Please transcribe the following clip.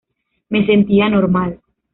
Me sentía normal.